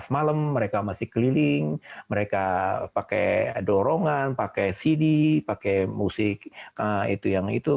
malam mereka masih keliling mereka pakai dorongan pakai cd pakai musik itu yang itu